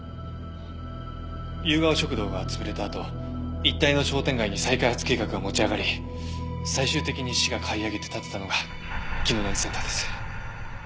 ゆうがお食堂が潰れたあと一帯の商店街に再開発計画が持ち上がり最終的に市が買い上げて建てたのが紀野谷センターです。